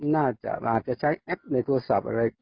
น่าจะอาจจะใช้อัพในโทรศัพท์อะไร